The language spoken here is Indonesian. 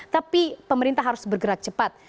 tapi pemerintah harus bergerak cepat